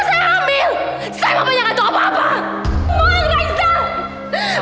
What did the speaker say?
saya ambil saya mau banyak atau apa apa